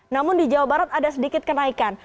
namun di jawa barat ada sedikit kenaikan